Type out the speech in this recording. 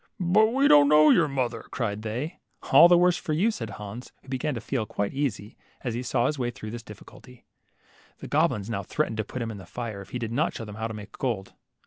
But we don't know your mother," cried they. All the worse for you," said Hans, who began to feebquite easy, as he saw his way through his diffi culties. The goblins now threatened to put him in the fire if he did not show them how to make gold.